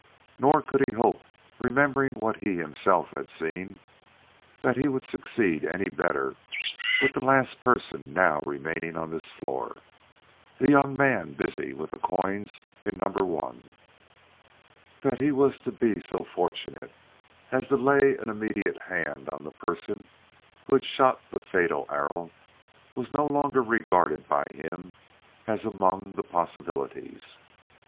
Nor could he hope, remembering what he had himself seen, that he would succeed any better with the last person now remaining on this floor the young man busy with the coins in No. I. That he was to be so fortunate as to lay an immediate hand on the person who had shot the fatal arrow was no longer regarded by him as among the possibilities.